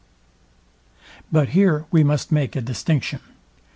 But here we must make a distinction.